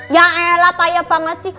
ya ella payah banget sih